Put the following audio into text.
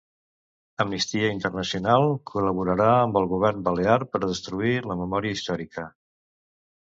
Amnistia Internacional col·laborarà amb el govern balear per destruir la memòria històrica.